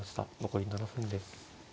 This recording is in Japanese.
残り７分です。